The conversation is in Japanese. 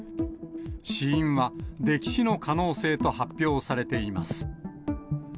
死因は溺死の可能性と発表されています。